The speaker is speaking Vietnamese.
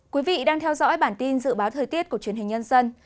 quý vị đang theo dõi bản tin dự báo thời tiết của truyền hình nhân dân